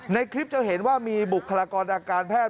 ในคลิปจะเห็นว่ามีบุคลากรอาการแพทย